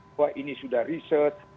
bahwa ini sudah riset